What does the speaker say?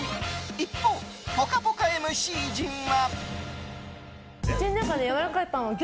一方、「ぽかぽか」ＭＣ陣は。